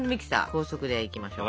高速でいきましょう。